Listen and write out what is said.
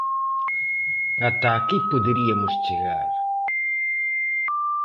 ¡Ata aquí poderiamos chegar!